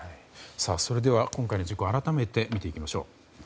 それでは、今回の事故を改めて見ていきましょう。